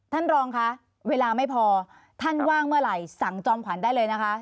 ท่านรองคะเวลาไม่พอท่านว่างเมื่อไหร่สั่งจอมขวัญได้เลยนะคะ